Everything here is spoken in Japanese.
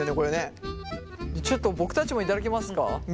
ちょっと僕たちも頂きますか。